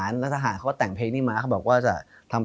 งั้นผมให้คะแนนเท่า